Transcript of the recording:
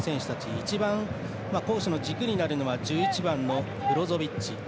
一番、攻守の軸になるのは１１番のブロゾビッチ。